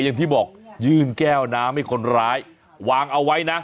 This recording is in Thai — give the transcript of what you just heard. อย่างที่บอกยื่นแก้วน้ำให้คนร้ายวางเอาไว้นะ